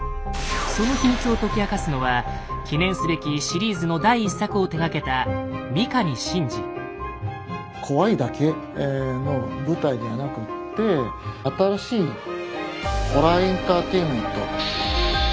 その秘密を解き明かすのは記念すべきシリーズの第１作を手がけた怖いだけの舞台ではなくって新しいホラーエンターテインメント。